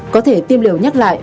có thể tiêm liều nhắc lại